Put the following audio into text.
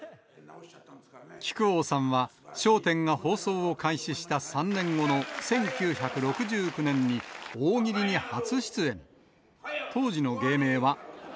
木久扇さんは、笑点が放送を開始した３年後の１９６９年に、大喜利に初出演。